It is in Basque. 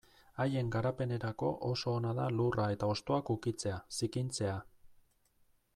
Haien garapenerako oso ona da lurra eta hostoak ukitzea, zikintzea...